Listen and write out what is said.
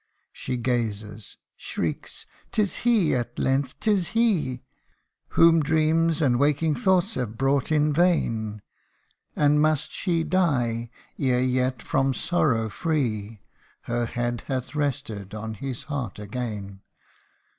She gazes shrieks 'tis he ! at length 'tis he, Whom dreams and waking thoughts have brought in vain ! And must she die, e'er yet from sorrow free, Her head hath rested on his heart again